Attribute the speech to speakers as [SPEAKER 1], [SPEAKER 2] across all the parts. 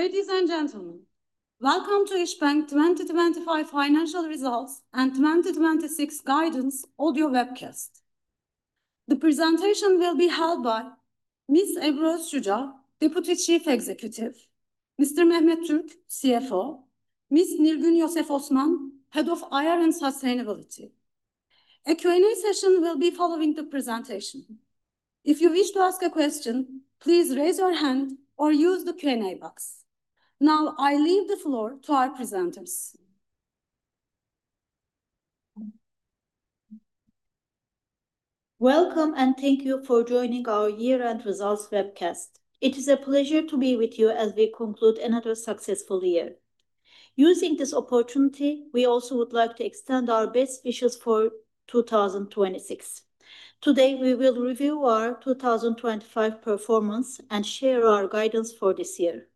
[SPEAKER 1] Ladies and gentlemen, welcome to Isbank 2025 financial results and 2026 guidance audio webcast. The presentation will be held by Ms. Ebru Özşuca, Deputy Chief Executive, Mr. Mehmet Türk, CFO, Ms. Nilgün Yosef Osman, Head of IR and Sustainability. A Q&A session will be following the presentation. If you wish to ask a question, please raise your hand or use the Q&A box. Now, I leave the floor to our presenters.
[SPEAKER 2] Welcome, and thank you for joining our year-end results webcast. It is a pleasure to be with you as we conclude another successful year. Using this opportunity, we also would like to extend our best wishes for 2026. Today, we will review our 2025 performance and share our guidance for this year.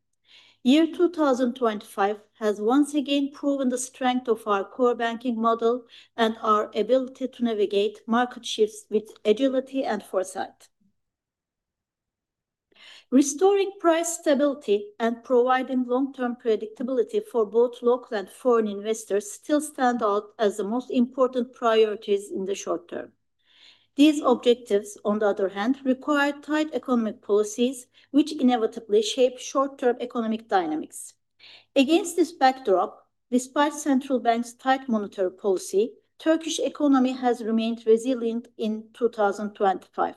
[SPEAKER 2] Year 2025 has once again proven the strength of our core banking model and our ability to navigate market shifts with agility and foresight. Restoring price stability and providing long-term predictability for both local and foreign investors still stand out as the most important priorities in the short term. These objectives, on the other hand, require tight economic policies, which inevitably shape short-term economic dynamics. Against this backdrop, despite central bank's tight monetary policy, Turkish economy has remained resilient in 2025.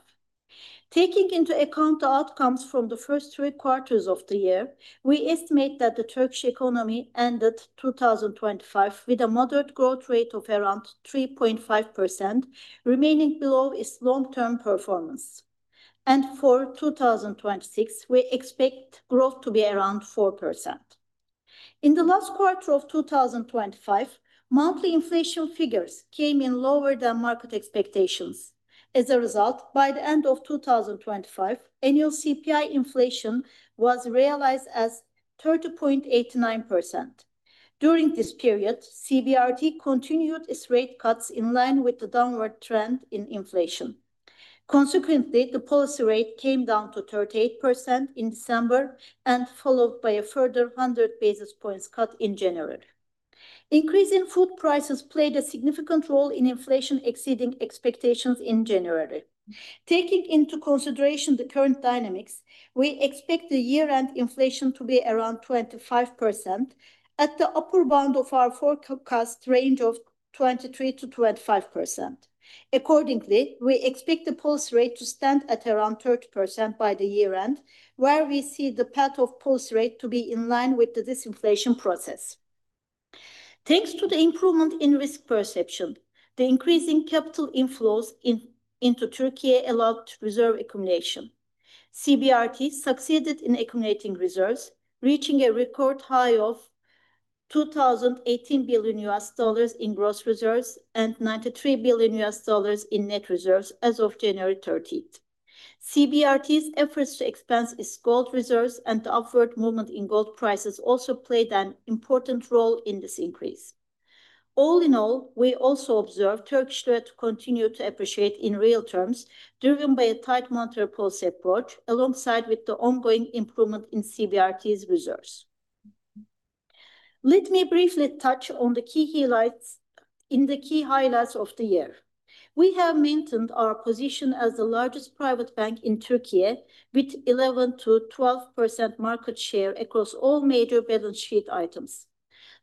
[SPEAKER 2] Taking into account the outcomes from the first three quarters of the year, we estimate that the Turkish economy ended 2025 with a moderate growth rate of around 3.5%, remaining below its long-term performance, and for 2026, we expect growth to be around 4%. In the last quarter of 2025, monthly inflation figures came in lower than market expectations. As a result, by the end of 2025, annual CPI inflation was realized as 30.89%. During this period, CBRT continued its rate cuts in line with the downward trend in inflation. Consequently, the policy rate came down to 38% in December, and followed by a further 100 basis points cut in January. Increase in food prices played a significant role in inflation exceeding expectations in January. Taking into consideration the current dynamics, we expect the year-end inflation to be around 25% at the upper bound of our forecast range of 23%-25%. Accordingly, we expect the policy rate to stand at around 30% by the year end, where we see the path of policy rate to be in line with the disinflation process. Thanks to the improvement in risk perception, the increase in capital inflows into Turkey allowed reserve accumulation. CBRT succeeded in accumulating reserves, reaching a record high of $218 billion in gross reserves and $93 billion in net reserves as of January 13th. CBRT's efforts to expand its gold reserves and the upward movement in gold prices also played an important role in this increase. All in all, we also observed Turkish lira to continue to appreciate in real terms, driven by a tight monetary policy approach, alongside with the ongoing improvement in CBRT's reserves. Let me briefly touch on the key highlights, in the key highlights of the year. We have maintained our position as the largest private bank in Turkey, with 11%-12% market share across all major balance sheet items.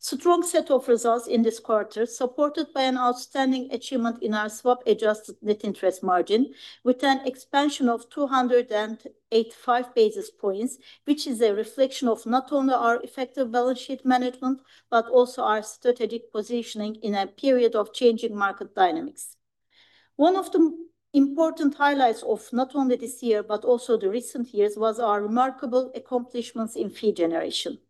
[SPEAKER 2] Strong set of results in this quarter, supported by an outstanding achievement in our swap-adjusted net interest margin, with an expansion of 285 basis points, which is a reflection of not only our effective balance sheet management, but also our strategic positioning in a period of changing market dynamics. One of the important highlights of not only this year, but also the recent years, was our remarkable accomplishments in fee generation.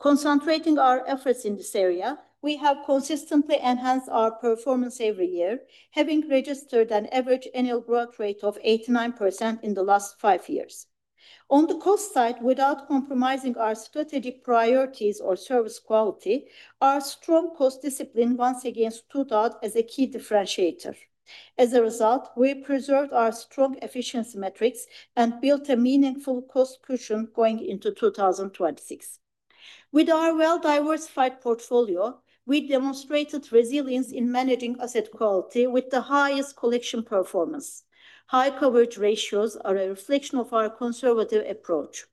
[SPEAKER 2] Concentrating our efforts in this area, we have consistently enhanced our performance every year, having registered an average annual growth rate of 89% in the last five years. On the cost side, without compromising our strategic priorities or service quality, our strong cost discipline once again stood out as a key differentiator. As a result, we preserved our strong efficiency metrics and built a meaningful cost cushion going into 2026. With our well-diversified portfolio, we demonstrated resilience in managing asset quality with the highest collection performance. High coverage ratios are a reflection of our conservative approach.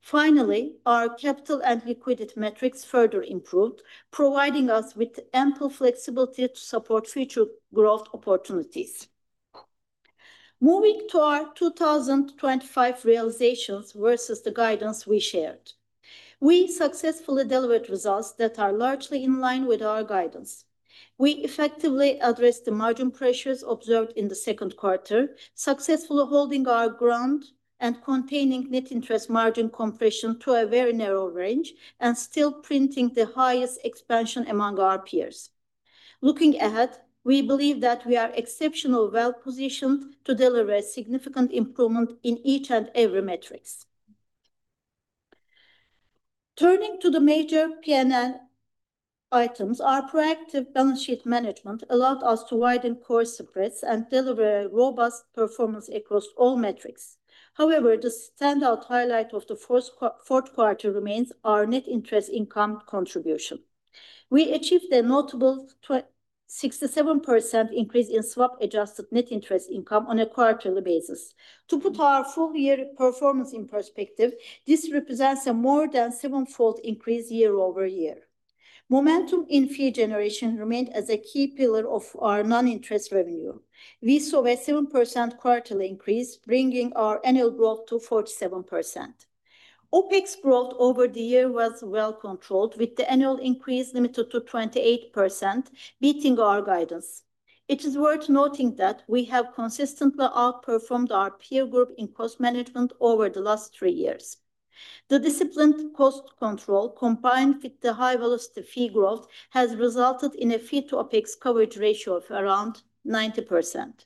[SPEAKER 2] Finally, our capital and liquidity metrics further improved, providing us with ample flexibility to support future growth opportunities. Moving to our 2025 realizations versus the guidance we shared. We successfully delivered results that are largely in line with our guidance. We effectively addressed the margin pressures observed in the second quarter, successfully holding our ground and containing net interest margin compression to a very narrow range, and still printing the highest expansion among our peers. Looking ahead, we believe that we are exceptionally well positioned to deliver a significant improvement in each and every metrics. Turning to the major P&L items, our proactive balance sheet management allowed us to widen core spreads and deliver a robust performance across all metrics. However, the standout highlight of the fourth quarter remains our net interest income contribution. We achieved a notable 67% increase in swap-adjusted net interest income on a quarterly basis. To put our full year performance in perspective, this represents a more than sevenfold increase year-over-year. Momentum in fee generation remained as a key pillar of our non-interest revenue. We saw a 7% quarterly increase, bringing our annual growth to 47%. OpEx growth over the year was well controlled, with the annual increase limited to 28%, beating our guidance. It is worth noting that we have consistently outperformed our peer group in cost management over the last 3 years. The disciplined cost control, combined with the high velocity fee growth, has resulted in a fee to OpEx coverage ratio of around 90%.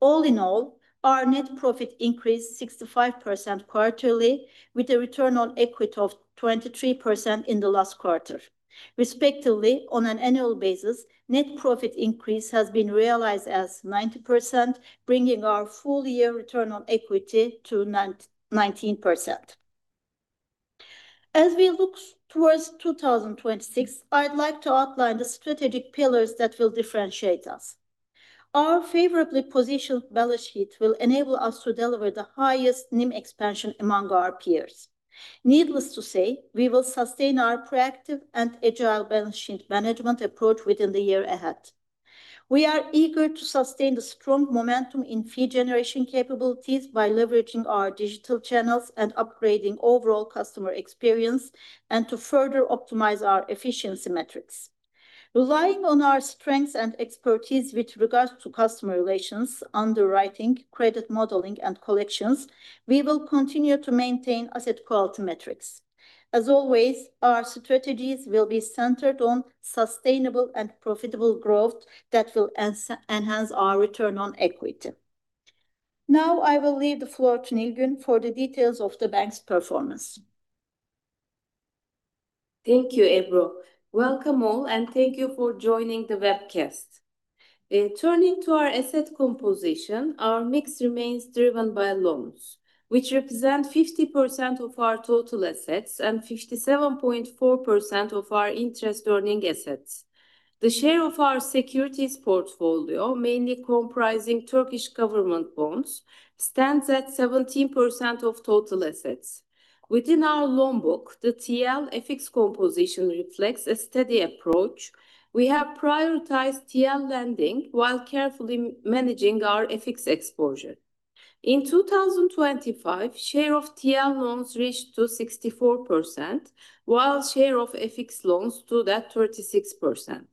[SPEAKER 2] All in all, our net profit increased 65% quarterly, with a return on equity of 23% in the last quarter. Respectively, on an annual basis, net profit increase has been realized as 90%, bringing our full year return on equity to 19%. As we look towards 2026, I'd like to outline the strategic pillars that will differentiate us. Our favorably positioned balance sheet will enable us to deliver the highest NIM expansion among our peers. Needless to say, we will sustain our proactive and agile balance sheet management approach within the year ahead. We are eager to sustain the strong momentum in fee generation capabilities by leveraging our digital channels and upgrading overall customer experience, and to further optimize our efficiency metrics. Relying on our strengths and expertise with regards to customer relations, underwriting, credit modeling, and collections, we will continue to maintain asset quality metrics. As always, our strategies will be centered on sustainable and profitable growth that will enhance our return on equity. Now, I will leave the floor to Nilgün for the details of the bank's performance.
[SPEAKER 3] Thank you, Ebru. Welcome, all, and thank you for joining the webcast. In turning to our asset composition, our mix remains driven by loans, which represent 50% of our total assets and 57.4% of our interest earning assets. The share of our securities portfolio, mainly comprising Turkish government bonds, stands at 17% of total assets. Within our loan book, the TL/FX composition reflects a steady approach. We have prioritized TL lending while carefully managing our FX exposure. In 2025, share of TL loans reached to 64%, while share of FX loans stood at 36%.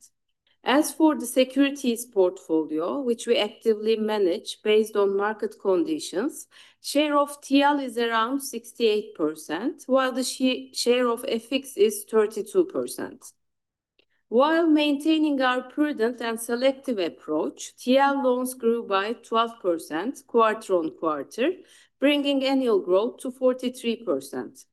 [SPEAKER 3] As for the securities portfolio, which we actively manage based on market conditions, share of TL is around 68%, while the share of FX is 32%. While maintaining our prudent and selective approach, TL loans grew by 12% quarter-on-quarter, bringing annual growth to 43%.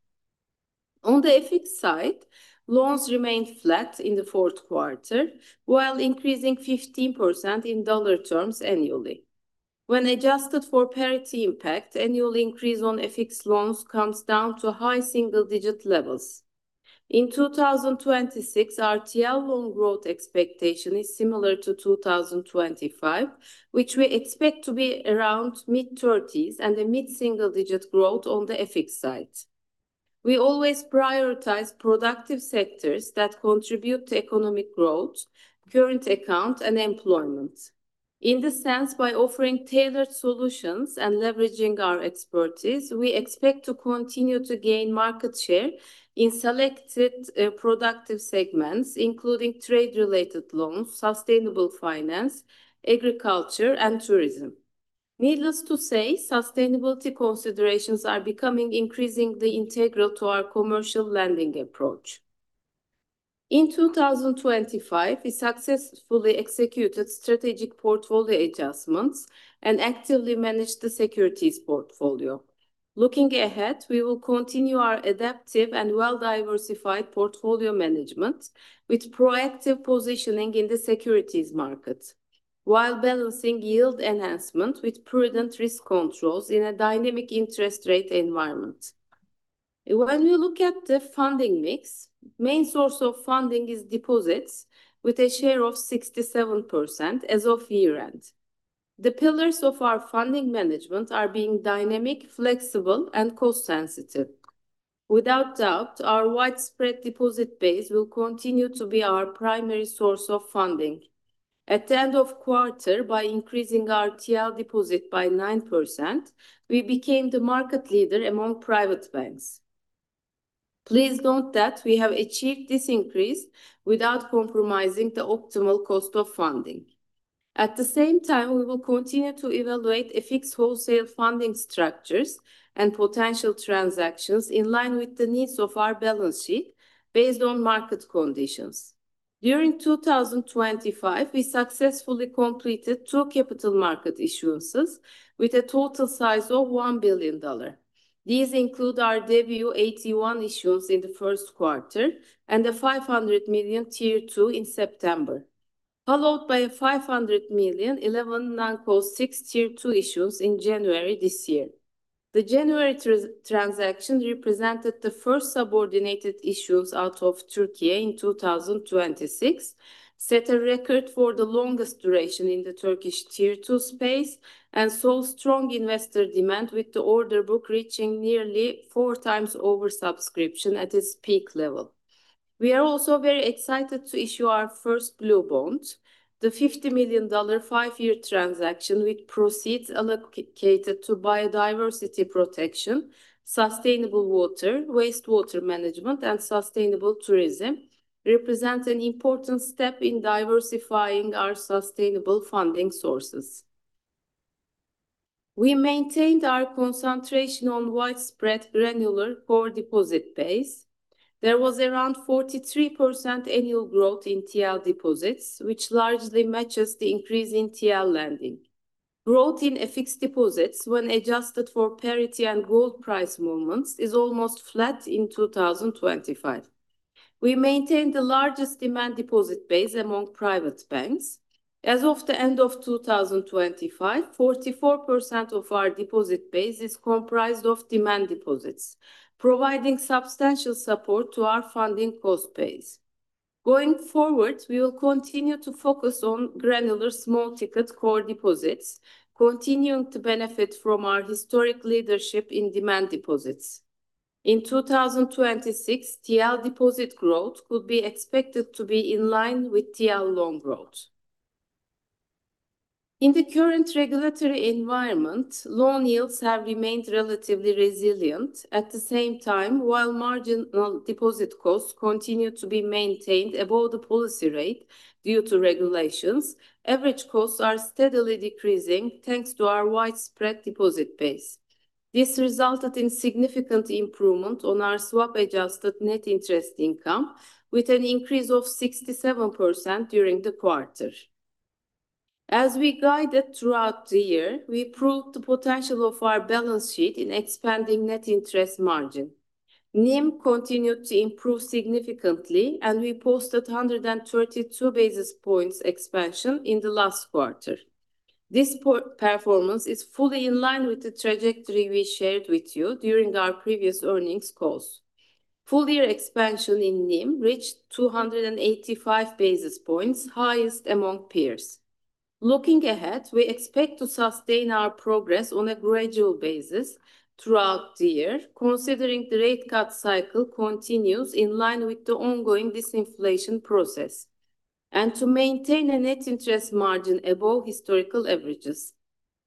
[SPEAKER 3] On the FX side, loans remained flat in the fourth quarter, while increasing 15% in dollar terms annually. When adjusted for parity impact, annual increase on FX loans comes down to high single-digit levels. In 2026, our TL loan growth expectation is similar to 2025, which we expect to be around mid-30s% and a mid-single-digit growth on the FX side. We always prioritize productive sectors that contribute to economic growth, current account, and employment. In this sense, by offering tailored solutions and leveraging our expertise, we expect to continue to gain market share in selected productive segments, including trade-related loans, sustainable finance, agriculture, and tourism. Needless to say, sustainability considerations are becoming increasingly integral to our commercial lending approach. In 2025, we successfully executed strategic portfolio adjustments and actively managed the securities portfolio. Looking ahead, we will continue our adaptive and well-diversified portfolio management with proactive positioning in the securities market, while balancing yield enhancement with prudent risk controls in a dynamic interest rate environment. When we look at the funding mix, main source of funding is deposits, with a share of 67% as of year-end. The pillars of our funding management are being dynamic, flexible, and cost-sensitive. Without doubt, our widespread deposit base will continue to be our primary source of funding. At the end of quarter, by increasing our TL deposit by 9%, we became the market leader among private banks. Please note that we have achieved this increase without compromising the optimal cost of funding. At the same time, we will continue to evaluate FX wholesale funding structures and potential transactions in line with the needs of our balance sheet based on market conditions. During 2025, we successfully completed two capital market issuances with a total size of $1 billion. These include our debut AT-1 issues in the first quarter, and the $500 million Tier-2 in September, followed by a $500 million 11NC6 Tier-2 issues in January this year. The January transaction represented the first subordinated issues out of Turkey in 2026, set a record for the longest duration in the Turkish Tier-2 space, and saw strong investor demand, with the order book reaching nearly four times oversubscription at its peak level. We are also very excited to issue our first blue bond, the $50 million 5-year transaction, with proceeds allocated to biodiversity protection, sustainable water, wastewater management, and sustainable tourism, represents an important step in diversifying our sustainable funding sources. We maintained our concentration on widespread granular core deposit base. There was around 43% annual growth in TL deposits, which largely matches the increase in TL lending. Growth in fixed deposits, when adjusted for parity and gold price movements, is almost flat in 2025. We maintained the largest demand deposit base among private banks. As of the end of 2025, 44% of our deposit base is comprised of demand deposits, providing substantial support to our funding cost base. Going forward, we will continue to focus on granular, small ticket core deposits, continuing to benefit from our historic leadership in demand deposits. In 2026, TL deposit growth could be expected to be in line with TL loan growth. In the current regulatory environment, loan yields have remained relatively resilient. At the same time, while marginal deposit costs continue to be maintained above the policy rate due to regulations, average costs are steadily decreasing, thanks to our widespread deposit base. This resulted in significant improvement on our swap-adjusted net interest income, with an increase of 67% during the quarter. As we guided throughout the year, we proved the potential of our balance sheet in expanding net interest margin. NIM continued to improve significantly, and we posted 132 basis points expansion in the last quarter. This performance is fully in line with the trajectory we shared with you during our previous earnings calls. Full year expansion in NIM reached 285 basis points, highest among peers. Looking ahead, we expect to sustain our progress on a gradual basis throughout the year, considering the rate cut cycle continues in line with the ongoing disinflation process, and to maintain a net interest margin above historical averages.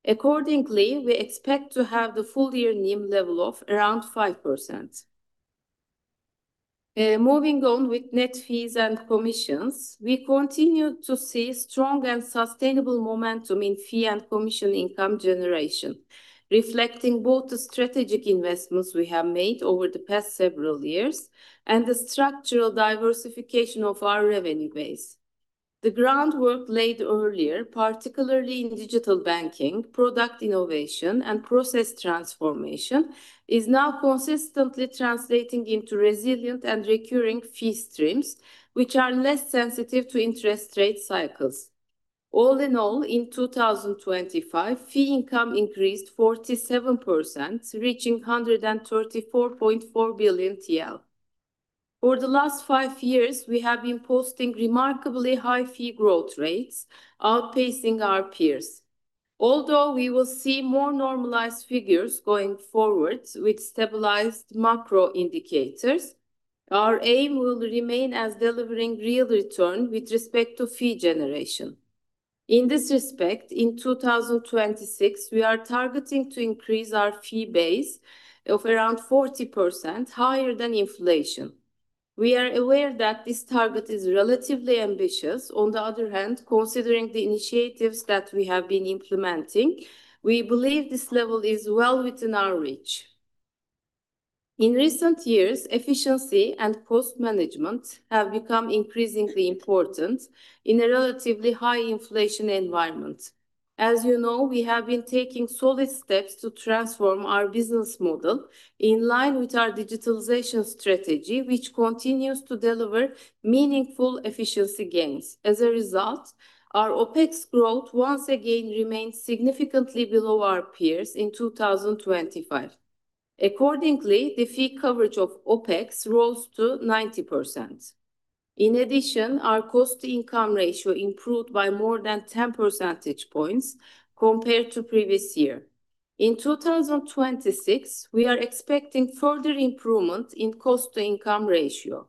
[SPEAKER 3] Accordingly, we expect to have the full year NIM level of around 5%. Moving on with net fees and commissions, we continue to see strong and sustainable momentum in fee and commission income generation, reflecting both the strategic investments we have made over the past several years and the structural diversification of our revenue base. The groundwork laid earlier, particularly in digital banking, product innovation, and process transformation, is now consistently translating into resilient and recurring fee streams, which are less sensitive to interest rate cycles. All in all, in 2025, fee income increased 47%, reaching 134.4 billion TL. Over the last 5 years, we have been posting remarkably high fee growth rates, outpacing our peers. Although we will see more normalized figures going forward with stabilized macro indicators, our aim will remain as delivering real return with respect to fee generation. In this respect, in 2026, we are targeting to increase our fee base of around 40% higher than inflation. We are aware that this target is relatively ambitious. On the other hand, considering the initiatives that we have been implementing, we believe this level is well within our reach. In recent years, efficiency and cost management have become increasingly important in a relatively high inflation environment. As you know, we have been taking solid steps to transform our business model in line with our digitalization strategy, which continues to deliver meaningful efficiency gains. As a result, our OpEx growth once again remained significantly below our peers in 2025. Accordingly, the fee coverage of OpEx rose to 90%. In addition, our cost-to-income ratio improved by more than 10 percentage points compared to previous year. In 2026, we are expecting further improvement in cost-to-income ratio.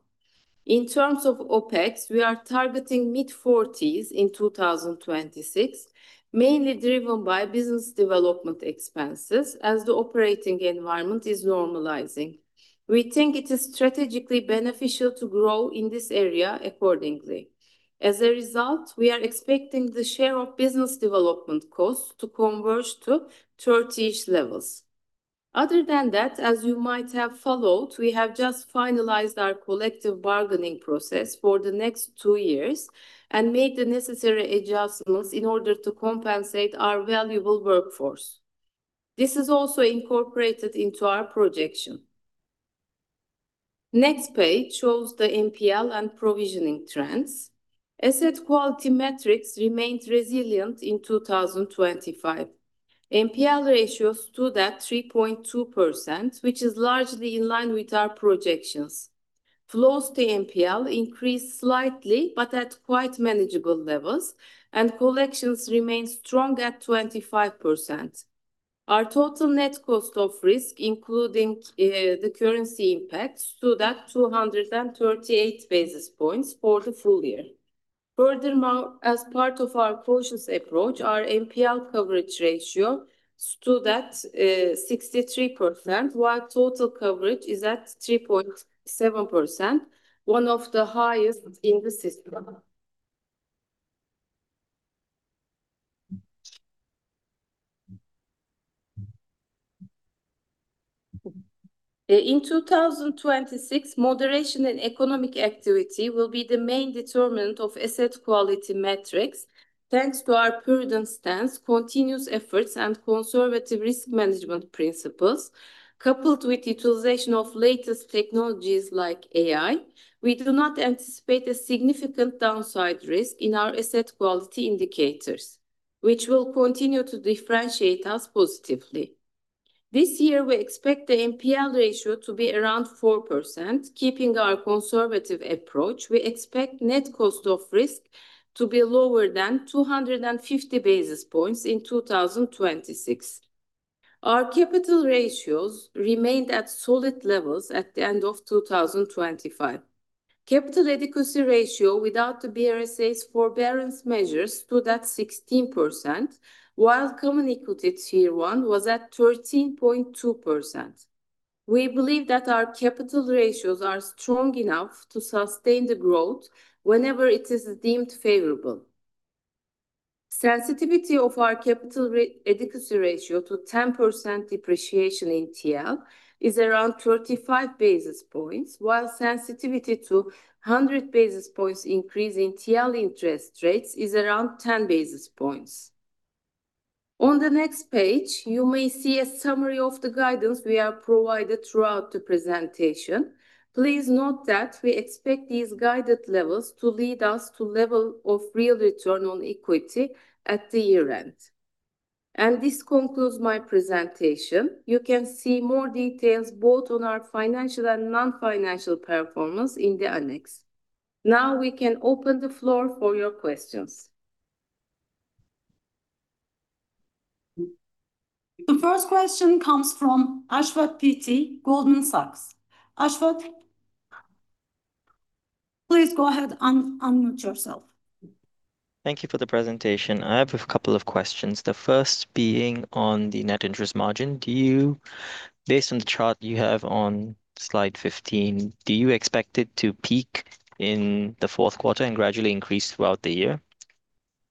[SPEAKER 3] In terms of OpEx, we are targeting mid-40s in 2026, mainly driven by business development expenses as the operating environment is normalizing. We think it is strategically beneficial to grow in this area accordingly. As a result, we are expecting the share of business development costs to converge to 30s levels. Other than that, as you might have followed, we have just finalized our collective bargaining process for the next two years and made the necessary adjustments in order to compensate our valuable workforce. This is also incorporated into our projection. Next page shows the NPL and provisioning trends. Asset quality metrics remained resilient in 2025. NPL ratios stood at 3.2%, which is largely in line with our projections. Flows to NPL increased slightly, but at quite manageable levels, and collections remained strong at 25%. Our total net cost of risk, including, the currency impact, stood at 238 basis points for the full year. Furthermore, as part of our cautious approach, our NPL coverage ratio stood at, 63%, while total coverage is at 3.7%, one of the highest in the system. In 2026, moderation in economic activity will be the main determinant of asset quality metrics, thanks to our prudent stance, continuous efforts, and conservative risk management principles. Coupled with utilization of latest technologies like AI, we do not anticipate a significant downside risk in our asset quality indicators, which will continue to differentiate us positively. This year, we expect the NPL ratio to be around 4%. Keeping our conservative approach, we expect net cost of risk to be lower than 250 basis points in 2026. Our capital ratios remained at solid levels at the end of 2025. Capital adequacy ratio without the BRSA's forbearance measures stood at 16%, while common equity Tier 1 was at 13.2%. We believe that our capital ratios are strong enough to sustain the growth whenever it is deemed favorable. Sensitivity of our capital adequacy ratio to 10% depreciation in TL is around 35 basis points, while sensitivity to 100 basis points increase in TL interest rates is around 10 basis points. On the next page, you may see a summary of the guidance we have provided throughout the presentation. Please note that we expect these guided levels to lead us to level of real return on equity at the year-end. This concludes my presentation. You can see more details, both on our financial and non-financial performance, in the annex. Now we can open the floor for your questions. The first question comes from Ashwath P T, Goldman Sachs. Ashwath, please go ahead, unmute yourself.
[SPEAKER 4] Thank you for the presentation. I have a couple of questions, the first being on the net interest margin. Do you, based on the chart you have on slide 15, do you expect it to peak in the fourth quarter and gradually increase throughout the year?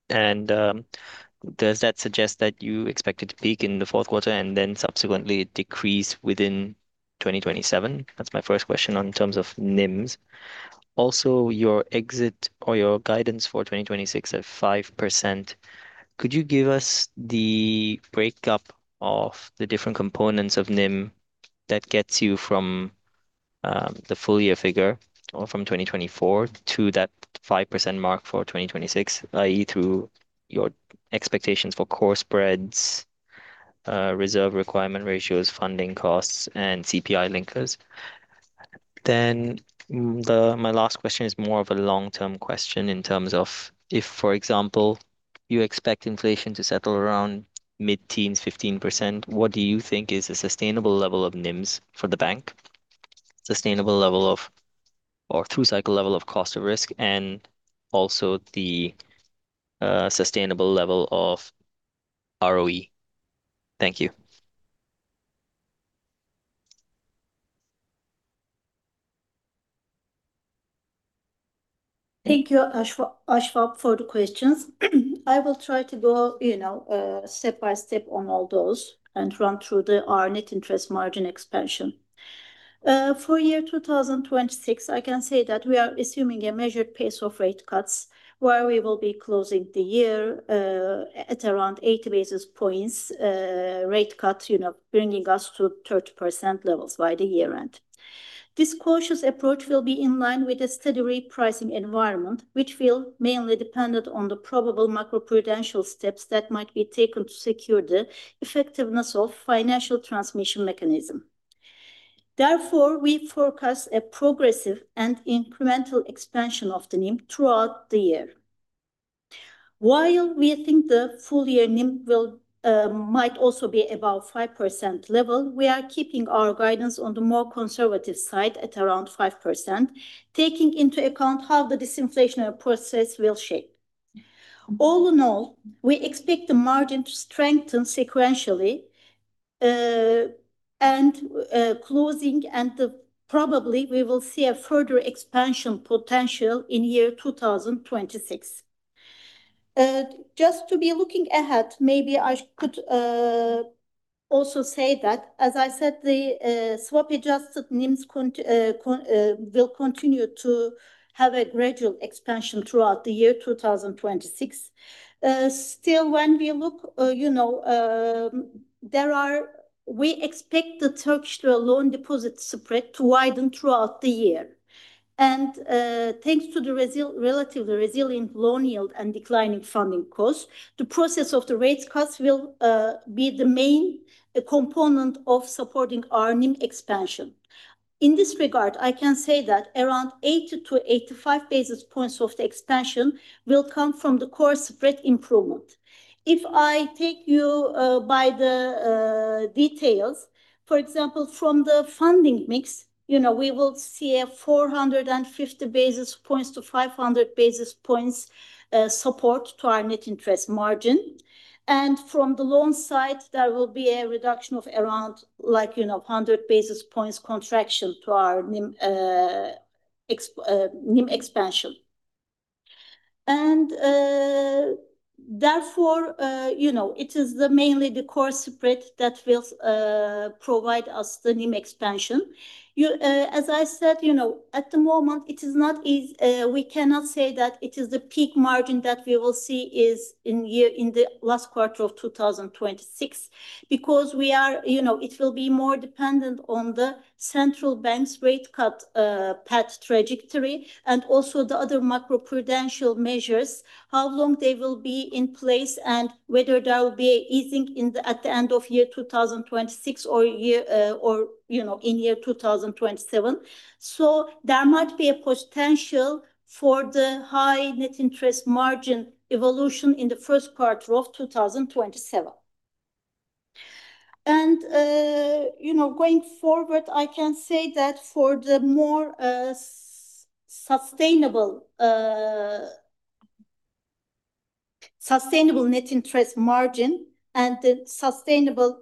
[SPEAKER 4] And, does that suggest that you expect it to peak in the fourth quarter, and then subsequently decrease within 2027? That's my first question in terms of NIMs. Also, your exit or your guidance for 2026 at 5%, could you give us the breakdown of the different components of NIM that gets you from, the full year figure or from 2024 to that 5% mark for 2026, i.e., through your expectations for core spreads, reserve requirement ratios, funding costs, and CPI linkers? Then, my last question is more of a long-term question in terms of if, for example, you expect inflation to settle around mid-teens, 15%, what do you think is a sustainable level of NIMs for the bank, sustainable level of or through cycle level of cost of risk, and also the sustainable level of ROE? Thank you.
[SPEAKER 3] Thank you, Ashwath, Ashwath, for the questions. I will try to go, you know, step by step on all those, and run through the, our net interest margin expansion. For year 2026, I can say that we are assuming a measured pace of rate cuts, where we will be closing the year, at around 80 basis points, rate cut, you know, bringing us to 30% levels by the year-end. This cautious approach will be in line with a steady repricing environment, which will mainly dependent on the probable macro-prudential steps that might be taken to secure the effectiveness of financial transmission mechanism. Therefore, we forecast a progressive and incremental expansion of the NIM throughout the year. While we think the full year NIM will, might also be above 5% level, we are keeping our guidance on the more conservative side at around 5%, taking into account how the disinflationary process will shape. All in all, we expect the margin to strengthen sequentially, and, closing, and the probably we will see a further expansion potential in year 2026. Just to be looking ahead, maybe I could, also say that, as I said, the, swap-adjusted NIMs cont- will continue to have a gradual expansion throughout the year 2026. Still, when we look, you know, there are- ... we expect the Turkish loan deposit spread to widen throughout the year. And, thanks to the relatively resilient loan yield and declining funding costs, the process of the rate cuts will be the main component of supporting our NIM expansion. In this regard, I can say that around 80-85 basis points of the expansion will come from the core spread improvement. If I take you by the details, for example, from the funding mix, you know, we will see a 450-500 basis points support to our net interest margin. And from the loan side, there will be a reduction of around, like, you know, 100 basis points contraction to our NIM expansion. Therefore, you know, it is mainly the core spread that will provide us the NIM expansion. You, as I said, you know, at the moment, it is not easy, we cannot say that it is the peak margin that we will see is in year, in the last quarter of 2026. Because we are, you know, it will be more dependent on the central bank's rate cut path trajectory, and also the other macro-prudential measures, how long they will be in place, and whether there will be an easing at the end of year 2026 or year, or, you know, in year 2027. So there might be a potential for the high net interest margin evolution in the first quarter of 2027. You know, going forward, I can say that for the more sustainable net interest margin and the sustainable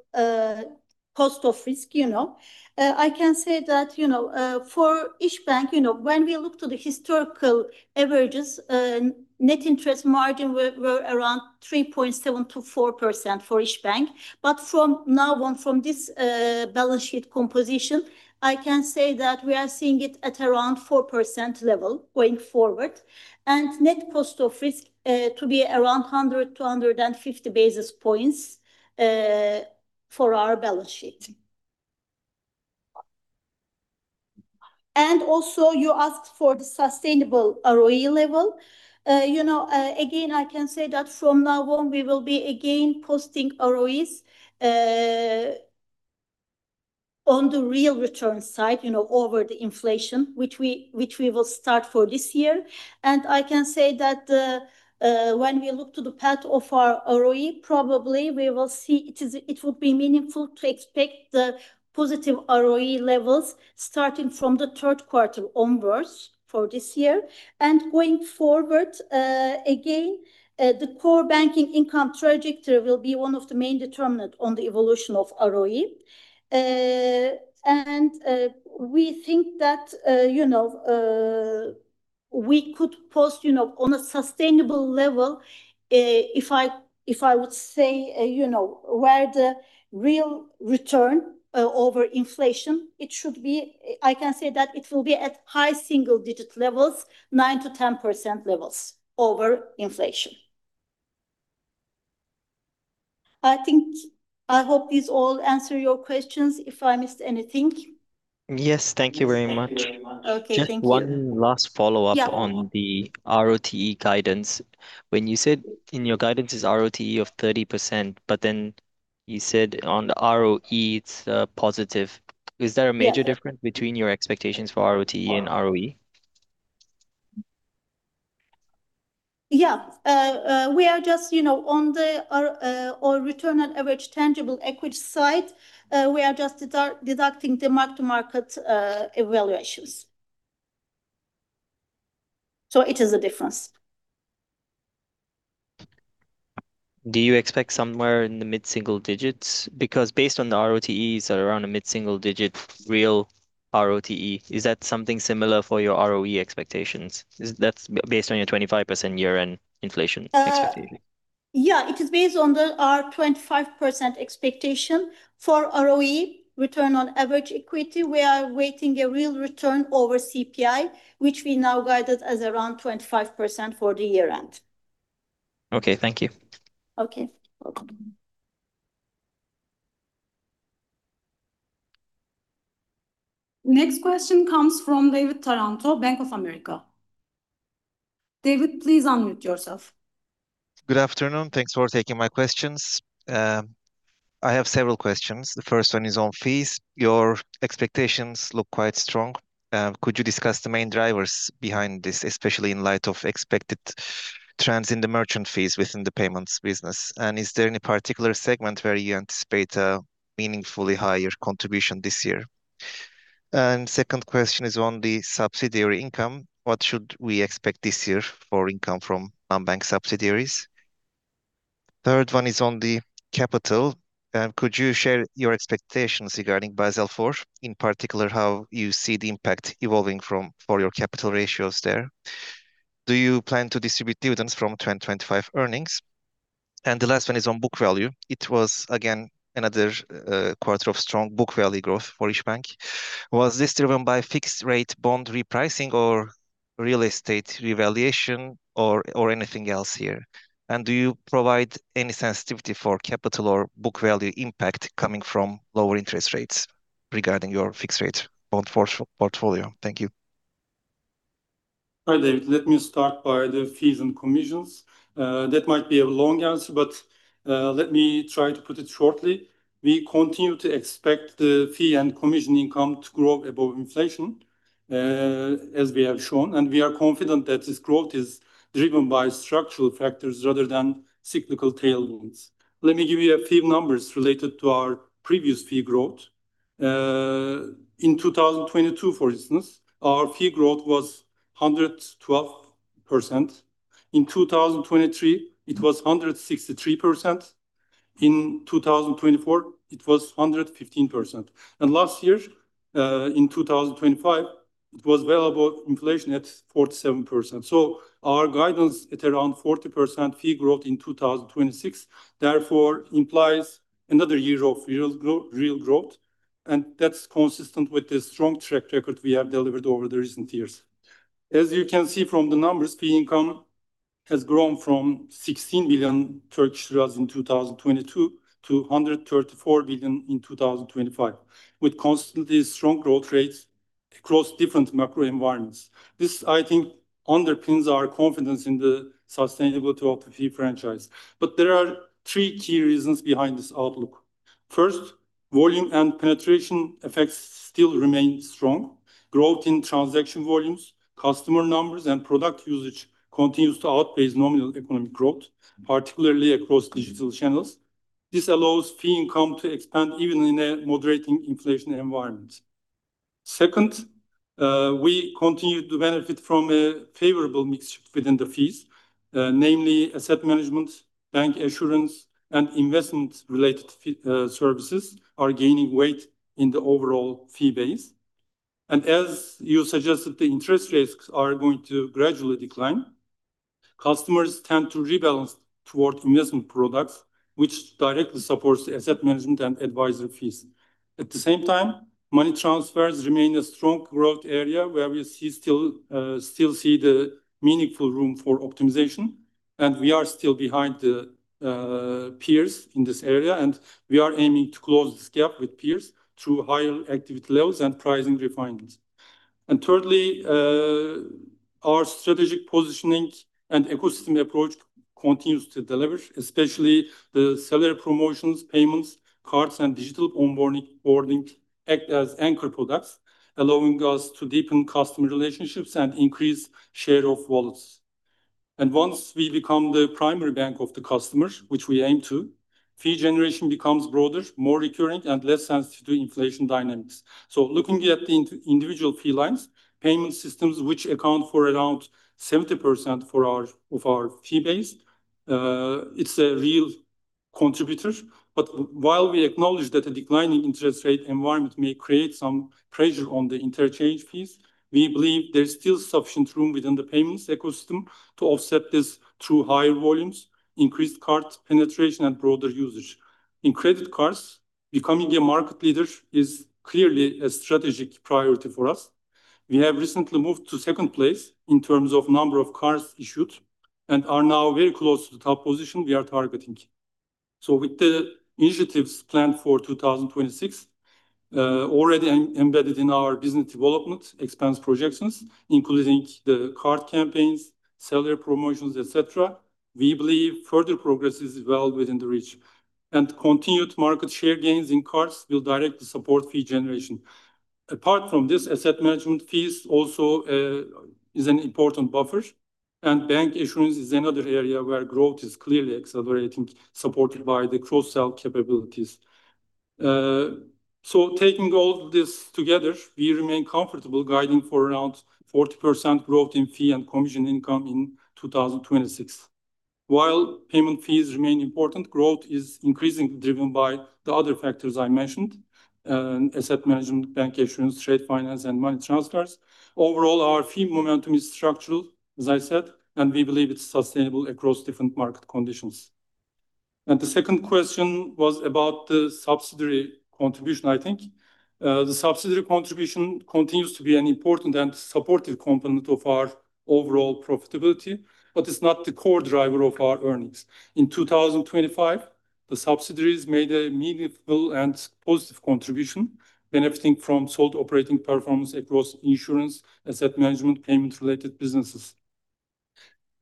[SPEAKER 3] cost of risk, you know, I can say that, you know, for Isbank, you know, when we look to the historical averages, net interest margin were around 3.7%-4% for Isbank. But from now on, from this balance sheet composition, I can say that we are seeing it at around 4% level going forward. And net cost of risk to be around 100-150 basis points for our balance sheet. And also, you asked for the sustainable ROE level. You know, again, I can say that from now on, we will be again posting ROEs on the real return side, you know, over the inflation, which we, which we will start for this year. And I can say that, when we look to the path of our ROE, probably we will see it would be meaningful to expect the positive ROE levels starting from the third quarter onwards for this year. And going forward, again, the core banking income trajectory will be one of the main determinant on the evolution of ROE. And, we think that, you know, we could post, you know, on a sustainable level, if I, if I would say, you know, where the real return, over inflation, it should be... I can say that it will be at high single-digit levels, 9%-10% levels over inflation. I think, I hope these all answer your questions, if I missed anything.
[SPEAKER 4] Yes, thank you very much.
[SPEAKER 1] Thank you very much.
[SPEAKER 3] Okay, thank you.
[SPEAKER 4] Just one last follow-up-
[SPEAKER 3] Yeah...
[SPEAKER 4] on the ROTE guidance. When you said in your guidance is ROTE of 30%, but then you said on the ROE, it's positive.
[SPEAKER 3] Yeah.
[SPEAKER 4] Is there a major difference between your expectations for ROTE and ROE?
[SPEAKER 3] Yeah. We are just, you know, on our return on average tangible equity side, we are just deducting the mark-to-market valuations. So it is a difference.
[SPEAKER 4] Do you expect somewhere in the mid-single digits? Because based on the ROTEs are around the mid-single digit, real ROTE, is that something similar for your ROE expectations? That's based on your 25% year-end inflation expectation.
[SPEAKER 3] Yeah, it is based on our 25% expectation. For ROE, return on average equity, we are awaiting a real return over CPI, which we now guided as around 25% for the year end.
[SPEAKER 4] Okay, thank you.
[SPEAKER 3] Okay. Welcome.
[SPEAKER 1] Next question comes from David Taranto, Bank of America. David, please unmute yourself.
[SPEAKER 5] Good afternoon. Thanks for taking my questions. I have several questions. The first one is on fees. Your expectations look quite strong. Could you discuss the main drivers behind this, especially in light of expected trends in the merchant fees within the payments business? And is there any particular segment where you anticipate a meaningfully higher contribution this year? And second question is on the subsidiary income. What should we expect this year for income from non-bank subsidiaries? Third one is on the capital. Could you share your expectations regarding Basel IV, in particular, how you see the impact evolving from for your capital ratios there? Do you plan to distribute dividends from 2025 earnings? And the last one is on book value. It was, again, another quarter of strong book value growth for Isbank. Was this driven by fixed-rate bond repricing or-... real estate revaluation or, or anything else here? And do you provide any sensitivity for capital or book value impact coming from lower interest rates regarding your fixed rate bond portfolio? Thank you.
[SPEAKER 6] Hi, David. Let me start by the fees and commissions. That might be a long answer, but, let me try to put it shortly. We continue to expect the fee and commission income to grow above inflation, as we have shown, and we are confident that this growth is driven by structural factors rather than cyclical tailwinds. Let me give you a few numbers related to our previous fee growth. In 2022, for instance, our fee growth was 112%. In 2023, it was 163%. In 2024, it was 115%. And last year, in 2025, it was well above inflation at 47%. Our guidance at around 40% fee growth in 2026, therefore, implies another year of real growth, and that's consistent with the strong track record we have delivered over the recent years. As you can see from the numbers, fee income has grown from 16 billion Turkish lira in 2022 to 134 billion in 2025, with constantly strong growth rates across different macro environments. This, I think, underpins our confidence in the sustainability of the fee franchise. But there are three key reasons behind this outlook. First, volume and penetration effects still remain strong. Growth in transaction volumes, customer numbers, and product usage continues to outpace nominal economic growth, particularly across digital channels. This allows fee income to expand even in a moderating inflation environment. Second, we continue to benefit from a favorable mix within the fees, namely, asset management, bancassurance, and investment-related fee services are gaining weight in the overall fee base. As you suggested, the interest rates are going to gradually decline. Customers tend to rebalance towards investment products, which directly supports asset management and advisory fees. At the same time, money transfers remain a strong growth area where we see the meaningful room for optimization, and we are still behind the peers in this area, and we are aiming to close this gap with peers through higher activity levels and pricing refinements. Thirdly, our strategic positioning and ecosystem approach continues to deliver, especially the salary promotions, payments, cards, and digital onboarding act as anchor products, allowing us to deepen customer relationships and increase share of wallets. Once we become the primary bank of the customers, which we aim to, fee generation becomes broader, more recurring, and less sensitive to inflation dynamics. Looking at the individual fee lines, payment systems, which account for around 70% of our fee base, it's a real contributor. While we acknowledge that a declining interest rate environment may create some pressure on the interchange fees, we believe there is still sufficient room within the payments ecosystem to offset this through higher volumes, increased card penetration, and broader usage. In credit cards, becoming a market leader is clearly a strategic priority for us. We have recently moved to second place in terms of number of cards issued and are now very close to the top position we are targeting. So with the initiatives planned for 2026, already embedded in our business development expense projections, including the card campaigns, seller promotions, et cetera, we believe further progress is well within the reach, and continued market share gains in cards will directly support fee generation. Apart from this, asset management fees also is an important buffer, and bank insurance is another area where growth is clearly accelerating, supported by the cross-sell capabilities. So taking all of this together, we remain comfortable guiding for around 40% growth in fee and commission income in 2026. While payment fees remain important, growth is increasingly driven by the other factors I mentioned, asset management, bank assurance, trade finance, and money transfers. Overall, our fee momentum is structural, as I said, and we believe it's sustainable across different market conditions. The second question was about the subsidiary contribution, I think. The subsidiary contribution continues to be an important and supportive component of our overall profitability, but it's not the core driver of our earnings. In 2025, the subsidiaries made a meaningful and positive contribution, benefiting from solid operating performance across insurance, asset management, payments-related businesses.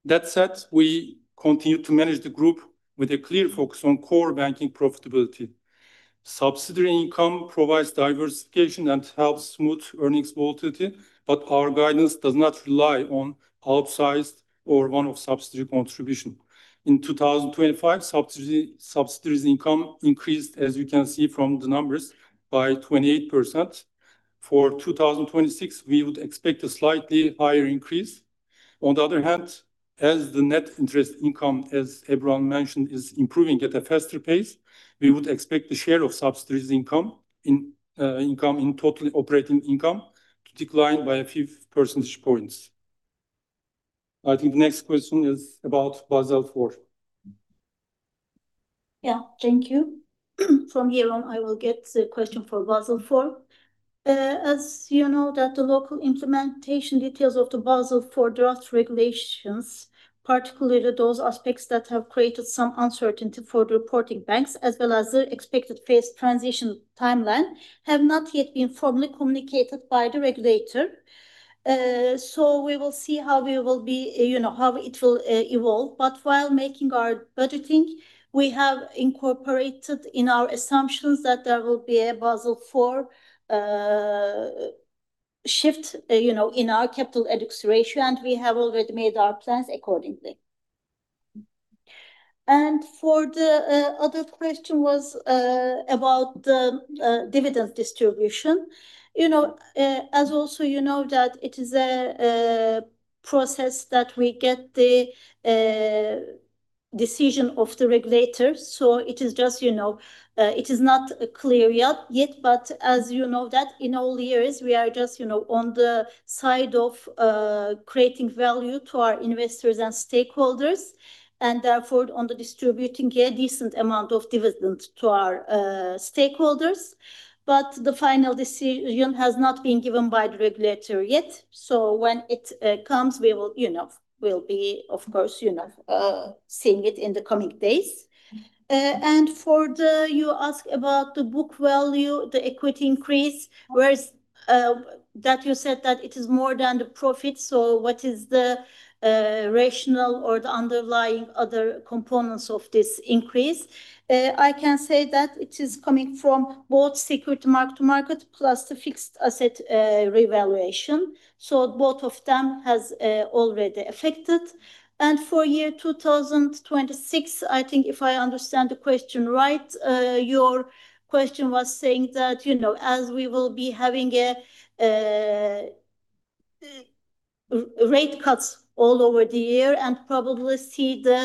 [SPEAKER 6] That said, we continue to manage the group with a clear focus on core banking profitability. Subsidiary income provides diversification and helps smooth earnings volatility, but our guidance does not rely on outsized or one-off subsidiary contribution. In 2025, subsidiaries income increased, as you can see from the numbers, by 28%. For 2026, we would expect a slightly higher increase. On the other hand, as the net interest income, as Ebru mentioned, is improving at a faster pace, we would expect the share of subsidiaries income in, income, in total operating income to decline by a few percentage points. I think the next question is about Basel IV....
[SPEAKER 2] Yeah, thank you. From here on, I will get the question for Basel IV. As you know, that the local implementation details of the Basel IV draft regulations, particularly those aspects that have created some uncertainty for the reporting banks, as well as the expected phased transition timeline, have not yet been formally communicated by the regulator. So we will see how we will be, you know, how it will evolve. But while making our budgeting, we have incorporated in our assumptions that there will be a Basel IV shift, you know, in our capital adequacy ratio, and we have already made our plans accordingly. And for the other question was about the dividend distribution. You know, as also you know, that it is a process that we get the decision of the regulator, so it is just, you know, it is not clear yet, but as you know that in all years we are just, you know, on the side of creating value to our investors and stakeholders, and therefore on the distributing a decent amount of dividends to our stakeholders. But the final decision has not been given by the regulator yet, so when it comes, we will, you know, we'll be of course, you know, seeing it in the coming days. And for the... You ask about the book value, the equity increase, whereas that you said that it is more than the profit, so what is the rationale or the underlying other components of thi s increase? I can say that it is coming from both security mark-to-market, plus the fixed asset revaluation, so both of them has already affected. For year 2026, I think if I understand the question right, your question was saying that, you know, as we will be having a rate cuts all over the year, and probably see the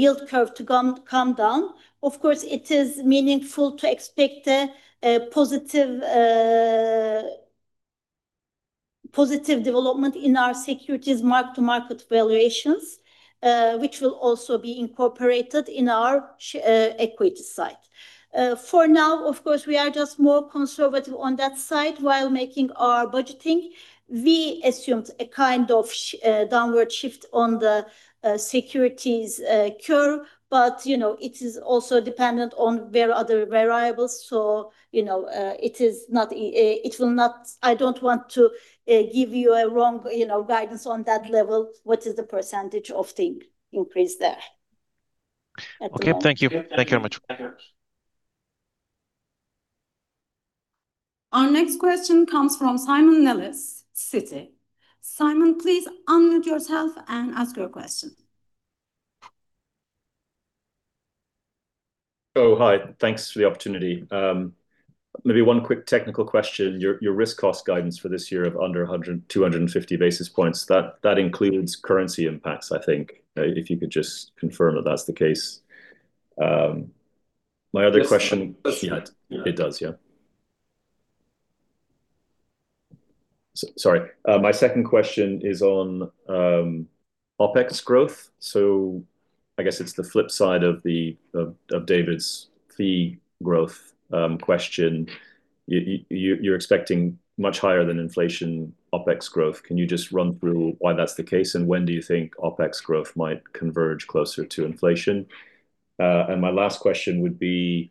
[SPEAKER 2] yield curve to come down, of course, it is meaningful to expect a positive development in our securities mark-to-market valuations, which will also be incorporated in our equity side. For now, of course, we are just more conservative on that side while making our budgeting. We assumed a kind of downward shift on the securities curve, but, you know, it is also dependent on where other variables, so, you know, it is not it will not, I don't want to give you a wrong, you know, guidance on that level. What is the percentage of the increase there?
[SPEAKER 5] Okay, thank you. Thank you very much.
[SPEAKER 1] Our next question comes from Simon Nellis, Citi. Simon, please unmute yourself and ask your question.
[SPEAKER 7] Oh, hi. Thanks for the opportunity. Maybe one quick technical question. Your risk cost guidance for this year of under 100-250 basis points, that includes currency impacts, I think. If you could just confirm that that's the case. My other question-
[SPEAKER 2] Yes.
[SPEAKER 7] Yeah, it does. Yeah. Sorry, my second question is on OpEx growth. So I guess it's the flip side of the of David's fee growth question. You're expecting much higher than inflation OpEx growth. Can you just run through why that's the case, and when do you think OpEx growth might converge closer to inflation? And my last question would be,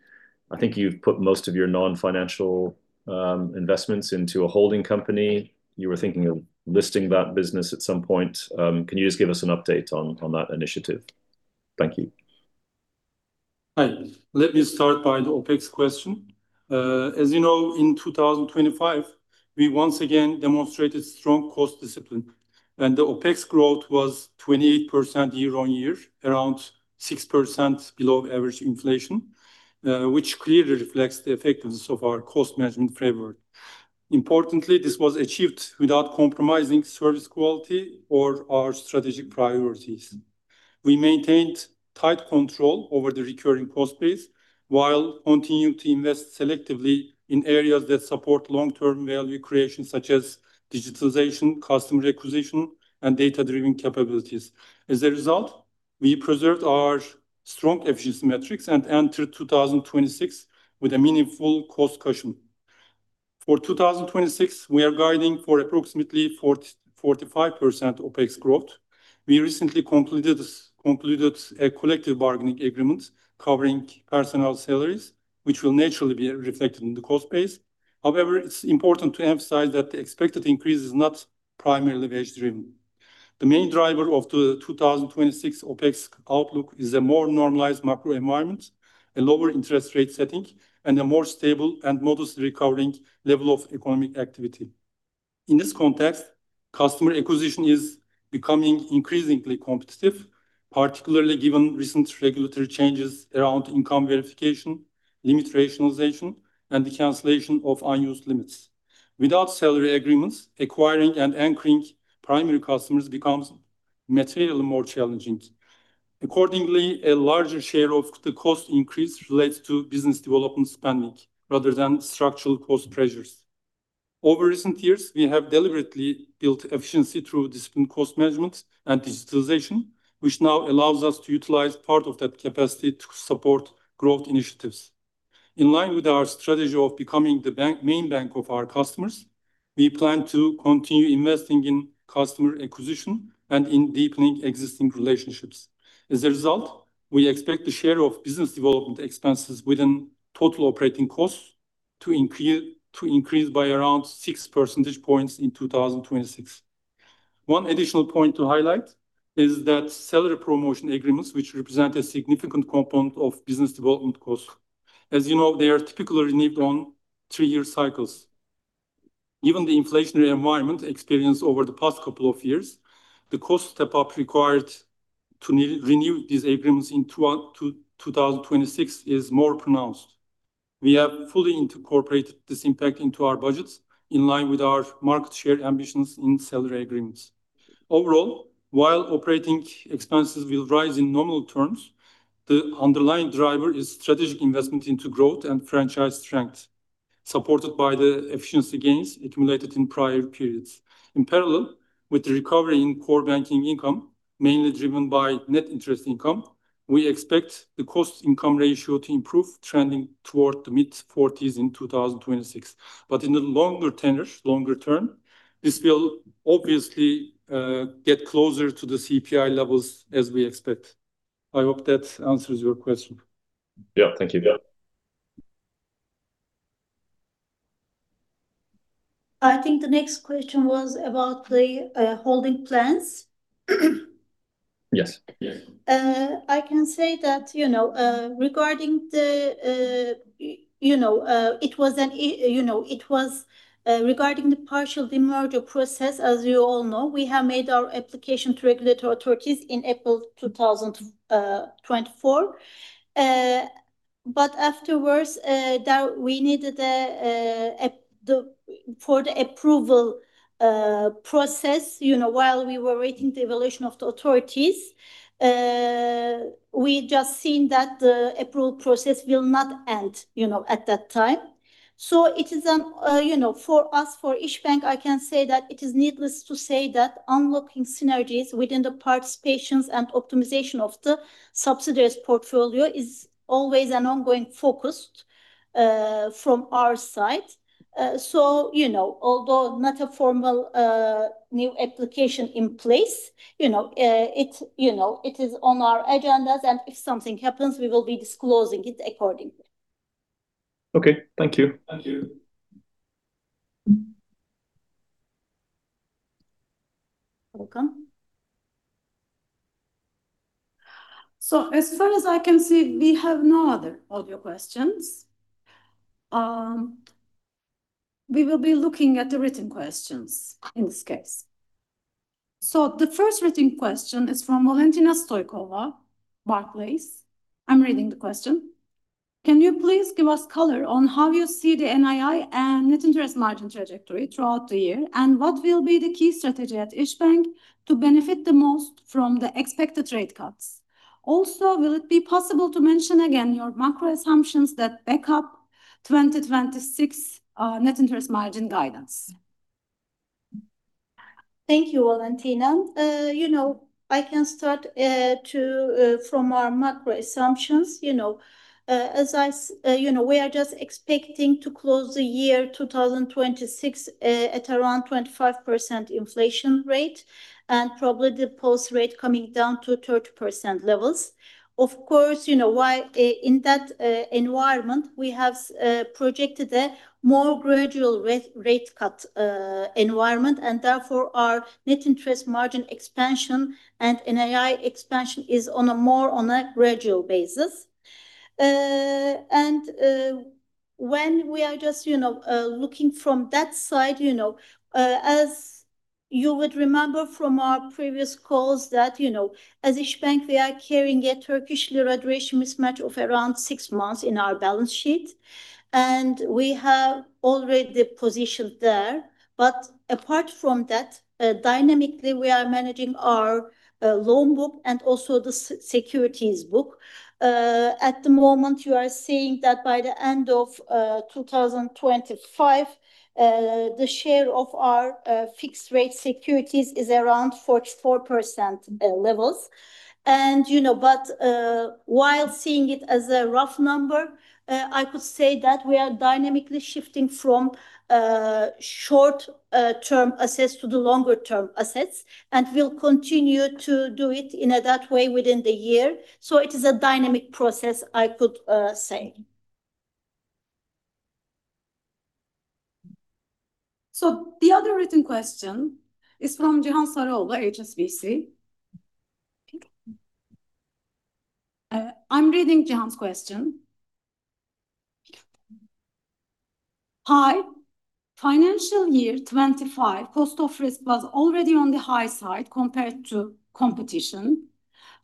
[SPEAKER 7] I think you've put most of your non-financial investments into a holding company. You were thinking of listing that business at some point. Can you just give us an update on that initiative? Thank you.
[SPEAKER 6] Hi. Let me start by the OpEx question. As you know, in 2025, we once again demonstrated strong cost discipline, and the OpEx growth was 28% year-on-year, around 6% below average inflation, which clearly reflects the effectiveness of our cost management framework. Importantly, this was achieved without compromising service quality or our strategic priorities. We maintained tight control over the recurring cost base, while continuing to invest selectively in areas that support long-term value creation, such as digitization, customer acquisition, and data-driven capabilities. As a result, we preserved our strong efficiency metrics and entered 2026 with a meaningful cost cushion. For 2026, we are guiding for approximately 40%-45% OpEx growth. We recently completed this, completed a collective bargaining agreement covering personnel salaries, which will naturally be reflected in the cost base. However, it's important to emphasize that the expected increase is not primarily wage-driven. The main driver of the 2026 OpEx outlook is a more normalized macro environment, a lower interest rate setting, and a more stable and modestly recovering level of economic activity. In this context, customer acquisition is becoming increasingly competitive, particularly given recent regulatory changes around income verification, limit rationalization, and the cancellation of unused limits. Without salary agreements, acquiring and anchoring primary customers becomes materially more challenging. Accordingly, a larger share of the cost increase relates to business development spending rather than structural cost pressures.... Over recent years, we have deliberately built efficiency through disciplined cost management and digitalization, which now allows us to utilize part of that capacity to support growth initiatives. In line with our strategy of becoming the bank, main bank of our customers, we plan to continue investing in customer acquisition and in deepening existing relationships. As a result, we expect the share of business development expenses within total operating costs to increase by around 6 percentage points in 2026. One additional point to highlight is that salary promotion agreements, which represent a significant component of business development costs, as you know, they are typically renewed on three-year cycles. Given the inflationary environment experienced over the past couple of years, the cost step-up required to renew these agreements in 2026 is more pronounced. We have fully incorporated this impact into our budgets in line with our market share ambitions in salary agreements. Overall, while operating expenses will rise in normal terms, the underlying driver is strategic investment into growth and franchise strength, supported by the efficiency gains accumulated in prior periods. In parallel, with the recovery in core banking income, mainly driven by net interest income, we expect the cost-income ratio to improve, trending toward the mid-forties in 2026. But in the longer tenor, longer term, this will obviously get closer to the CPI levels as we expect. I hope that answers your question.
[SPEAKER 7] Yeah. Thank you, Met.
[SPEAKER 2] I think the next question was about the holding plans.
[SPEAKER 7] Yes, yes.
[SPEAKER 2] I can say that, you know, regarding the partial demerger process, as you all know, we have made our application to regulatory authorities in April 2024. But afterwards, we needed the approval process, you know, while we were waiting the evaluation of the authorities, we just seen that the approval process will not end, you know, at that time. So it is, you know, for us, for Isbank, I can say that it is needless to say that unlocking synergies within the participations and optimization of the subsidiaries portfolio is always an ongoing focus, from our side. So, you know, although not a formal new application in place, you know, it, you know, it is on our agendas, and if something happens, we will be disclosing it accordingly.
[SPEAKER 7] Okay. Thank you. Thank you.
[SPEAKER 2] Welcome. So as far as I can see, we have no other audio questions. We will be looking at the written questions in this case. So the first written question is from Valentina Stoykova, Barclays. I'm reading the question: Can you please give us color on how you see the NII and net interest margin trajectory throughout the year, and what will be the key strategy at Isbank to benefit the most from the expected rate cuts? Also, will it be possible to mention again your macro assumptions that back up 2026 net interest margin guidance? Thank you, Valentina. You know, I can start from our macro assumptions. You know, you know, we are just expecting to close the year 2026 at around 25% inflation rate, and probably the policy rate coming down to 30% levels. Of course, you know, within that environment, we have projected a more gradual rate cut environment, and therefore, our net interest margin expansion and NII expansion is on a more gradual basis. And, when we are just, you know, looking from that side, you know, as you would remember from our previous calls, that, you know, as Isbank, we are carrying a Turkish lira duration mismatch of around six months in our balance sheet, and we have already positioned there. But apart from that, dynamically, we are managing our loan book and also the securities book. At the moment, you are seeing that by the end of 2025, the share of our fixed-rate securities is around 44% levels. And, you know, but while seeing it as a rough number, I could say that we are dynamically shifting from short term assets to the longer-term assets, and we'll continue to do it in that way within the year. So it is a dynamic process, I could say. So the other written question is from Cihan Saraoğlu, HSBC. I'm reading Cihan's question. "Hi, financial year 2025, cost of risk was already on the high side compared to competition.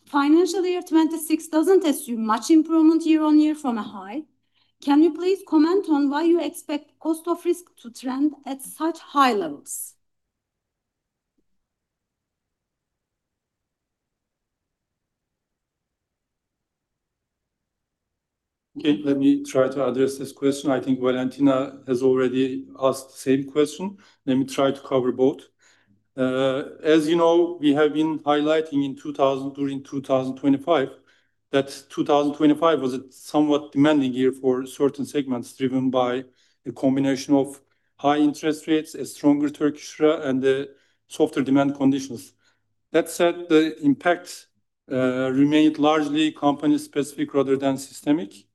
[SPEAKER 2] Financial year 2026 doesn't assume much improvement year on year from a high. Can you please comment on why you expect cost of risk to trend at such high levels? ...
[SPEAKER 6] Okay, let me try to address this question. I think Valentina has already asked the same question. Let me try to cover both. As you know, we have been highlighting in 2000, during 2025, that 2025 was a somewhat demanding year for certain segments, driven by a combination of high interest rates, a stronger Turkish lira, and, softer demand conditions. That said, the impact remained largely company-specific rather than systemic.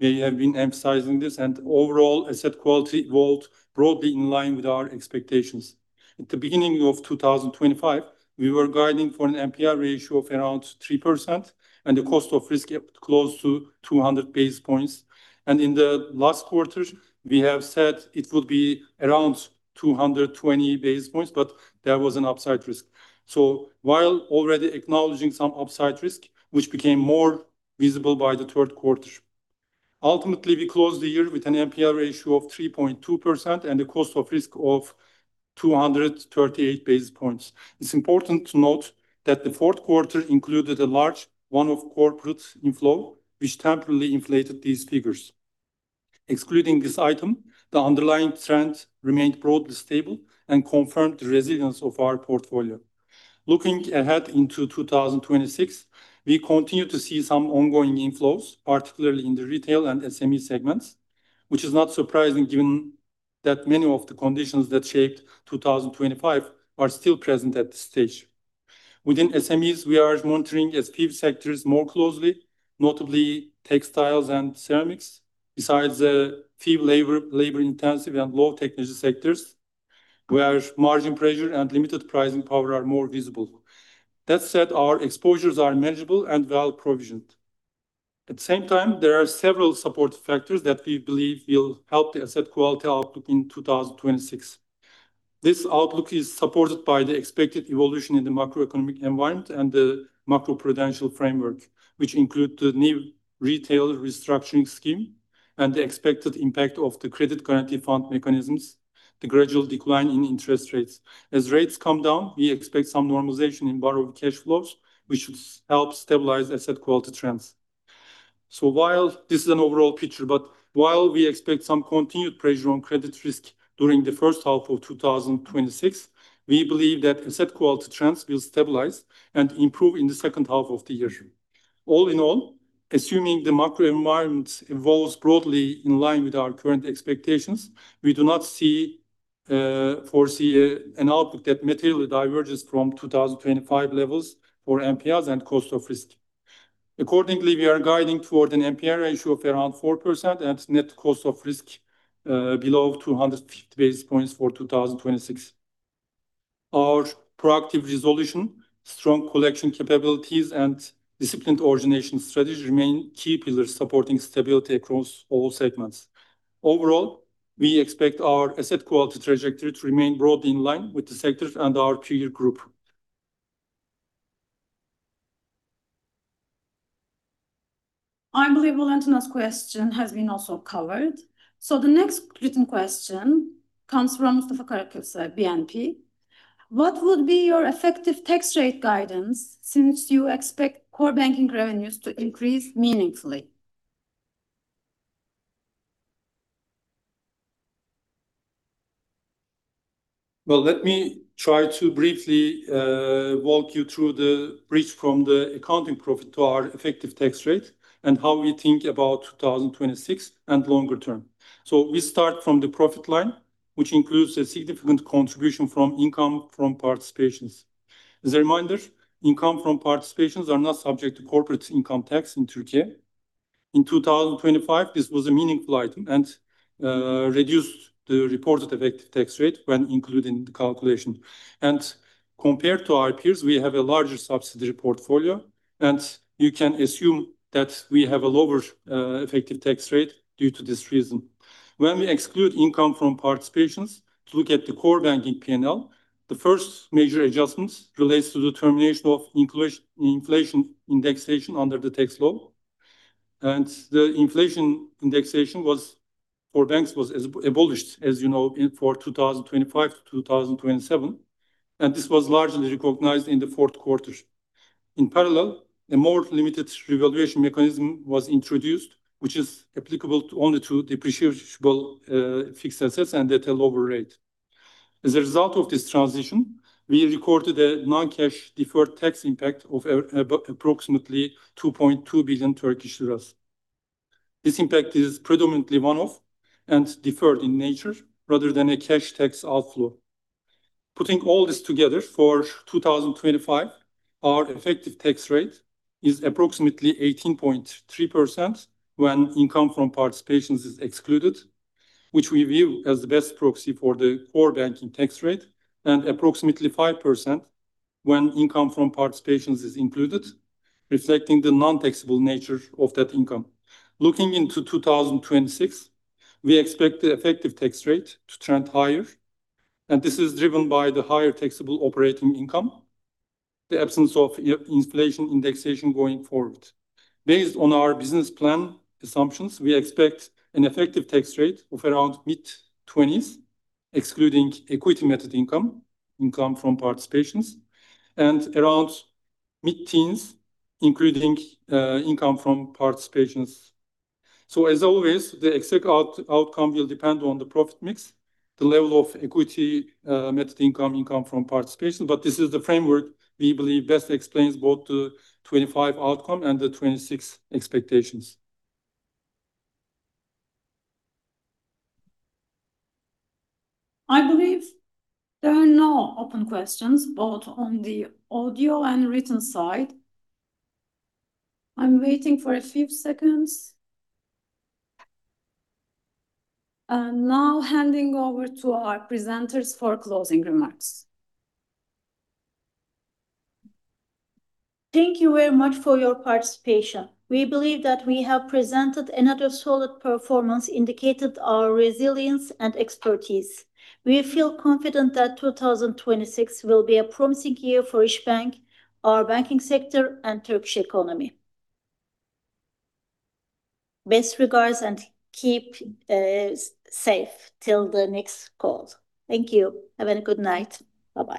[SPEAKER 6] We have been emphasizing this, and overall, asset quality evolved broadly in line with our expectations. At the beginning of 2025, we were guiding for an NPL ratio of around 3%, and the cost of risk kept close to 200 basis points. In the last quarter, we have said it would be around 220 basis points, but there was an upside risk. While already acknowledging some upside risk, which became more visible by the third quarter, ultimately, we closed the year with an NPL ratio of 3.2% and a cost of risk of 238 basis points. It's important to note that the fourth quarter included a large one-off corporate inflow, which temporarily inflated these figures. Excluding this item, the underlying trend remained broadly stable and confirmed the resilience of our portfolio. Looking ahead into 2026, we continue to see some ongoing inflows, particularly in the retail and SME segments, which is not surprising given that many of the conditions that shaped 2025 are still present at this stage. Within SMEs, we are monitoring a few sectors more closely, notably textiles and ceramics. Besides a few labor-intensive and low-technology sectors, where margin pressure and limited pricing power are more visible. That said, our exposures are manageable and well provisioned. At the same time, there are several supportive factors that we believe will help the asset quality outlook in 2026. This outlook is supported by the expected evolution in the macroeconomic environment and the macroprudential framework, which include the new retail restructuring scheme and the expected impact of the credit guarantee fund mechanisms, the gradual decline in interest rates. As rates come down, we expect some normalization in borrower cash flows, which should help stabilize asset quality trends. So while this is an overall picture, but while we expect some continued pressure on credit risk during the first half of 2026, we believe that asset quality trends will stabilize and improve in the second half of the year. All in all, assuming the macro environment evolves broadly in line with our current expectations, we do not see, foresee, an outlook that materially diverges from 2025 levels for NPLs and cost of risk. Accordingly, we are guiding toward an NPL ratio of around 4% and net cost of risk, below 250 basis points for 2026. Our proactive resolution, strong collection capabilities, and disciplined origination strategies remain key pillars supporting stability across all segments. Overall, we expect our asset quality trajectory to remain broadly in line with the sectors and our peer group.
[SPEAKER 1] I believe Valentina's question has been also covered. The next written question comes from Mustafa Karakaş at BNP. What would be your effective tax rate guidance since you expect core banking revenues to increase meaningfully?
[SPEAKER 6] Well, let me try to briefly walk you through the bridge from the accounting profit to our effective tax rate and how we think about 2026 and longer term. So we start from the profit line, which includes a significant contribution from income from participations. As a reminder, income from participations are not subject to corporate income tax in Turkey. In 2025, this was a meaningful item and reduced the reported effective tax rate when including the calculation. And compared to our peers, we have a larger subsidiary portfolio, and you can assume that we have a lower effective tax rate due to this reason. When we exclude income from participations, to look at the core banking P&L, the first major adjustments relates to the termination of inflation indexation under the tax law, and the inflation indexation was, for banks, abolished, as you know, in 2025-2027, and this was largely recognized in the fourth quarter. In parallel, a more limited revaluation mechanism was introduced, which is applicable only to depreciable fixed assets, and at a lower rate. As a result of this transition, we recorded a non-cash deferred tax impact of approximately 2.2 billion Turkish lira. This impact is predominantly one-off and deferred in nature, rather than a cash tax outflow. Putting all this together, for 2025, our effective tax rate is approximately 18.3% when income from participations is excluded, which we view as the best proxy for the core banking tax rate, and approximately 5% when income from participations is included, reflecting the non-taxable nature of that income. Looking into 2026, we expect the effective tax rate to trend higher, and this is driven by the higher taxable operating income, the absence of inflation indexation going forward. Based on our business plan assumptions, we expect an effective tax rate of around mid-20s, excluding equity method income, income from participations, and around mid-teens, including income from participations. As always, the exact outcome will depend on the profit mix, the level of equity method income, income from participation, but this is the framework we believe best explains both the 2025 outcome and the 2026 expectations.
[SPEAKER 1] I believe there are no open questions, both on the audio and written side. I'm waiting for a few seconds. Now handing over to our presenters for closing remarks.
[SPEAKER 2] Thank you very much for your participation. We believe that we have presented another solid performance, indicated our resilience and expertise. We feel confident that 2026 will be a promising year for Isbank, our banking sector, and Turkish economy. Best regards, and keep safe till the next call. Thank you. Have a good night. Bye-bye.